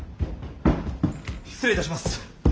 ・失礼いたします。